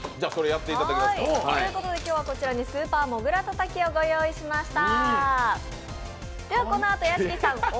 今日はこちらに「スーパーモグラたたき」をご用意しました。